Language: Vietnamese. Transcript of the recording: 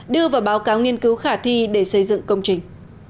đưa vào báo cáo nghiên cứu khả thi để xây dựng công trình